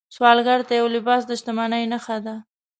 سوالګر ته یو لباس د شتمنۍ نښه ده